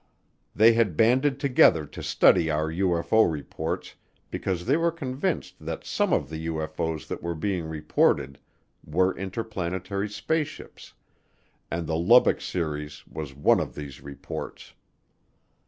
They had banded together to study our UFO reports because they were convinced that some of the UFO's that were being reported were interplanetary spaceships and the Lubbock series was one of these reports.